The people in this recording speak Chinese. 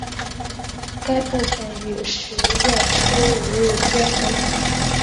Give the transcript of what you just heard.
该部份与十月初五日街平行。